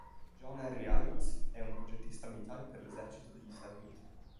John Henry Irons è un progettista militare per l'esercito degli Stati Uniti.